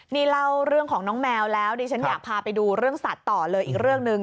นี่เล่าเรื่องของน้องแมวแล้วดิฉันอยากพาไปดูเรื่องสัตว์ต่อเลยอีกเรื่องหนึ่ง